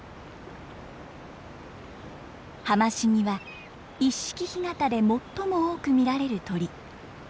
ハマシギは一色干潟で最も多く見られる鳥。